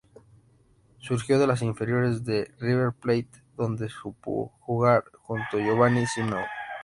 Surgió de las inferiores de River Plate, donde supo jugar junto a Giovanni Simeone.